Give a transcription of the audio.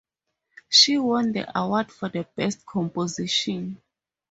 She won the award for the best composition.